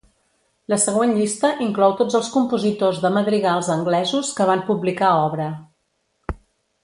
La següent llista inclou tots els compositors de madrigals anglesos que van publicar obra.